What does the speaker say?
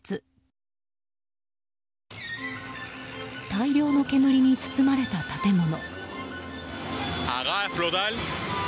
大量の煙に包まれた建物。